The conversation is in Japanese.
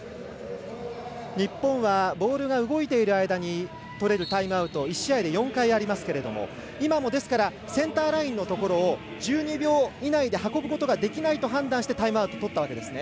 日本は、ボールが動いている間に取れるタイムアウトを１試合４回ありますけれども今も、センターラインのところを１２秒以内で運ぶことができないと判断してタイムアウトとったわけですね。